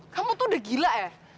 kamu tuh udah gila ya